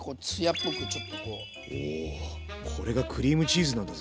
おこれがクリームチーズなんだぜ。